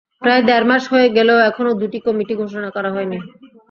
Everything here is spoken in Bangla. প্রায় দেড় মাস হয়ে গেলেও এখনো দুটি কমিটি ঘোষণা করা হয়নি।